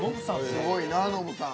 すごいなぁノブさん。